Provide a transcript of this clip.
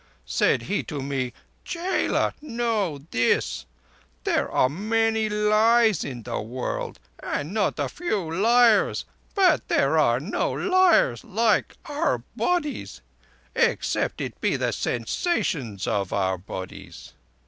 Said he to me, 'Chela, know this. There are many lies in the world, and not a few liars, but there are no liars like our bodies, except it be the sensations of our bodies.